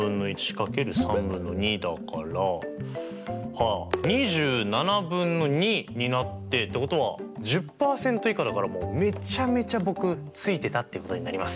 えっとになってってことは１０％以下だからめちゃめちゃ僕ついてたってことになります。